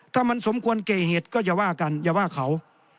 ถ้ามันสมควรแก่เหตุก็อย่าว่ากันอย่าว่าเขา